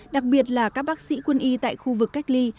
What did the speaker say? đặc biệt là các bác sĩ quân y tại khu vực cách ly